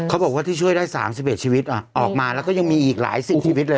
เขาบอกว่าที่ช่วยได้๓๑ชีวิตออกมาแล้วก็ยังมีอีกหลายสิบชีวิตเลย